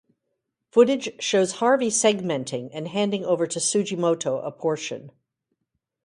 Footage shows Harvey segmenting and handing over to Sugimoto a portion.